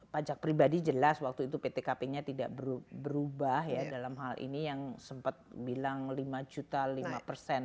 pajak pribadi jelas waktu itu ptkp nya tidak berubah ya dalam hal ini yang sempat bilang lima juta lima persen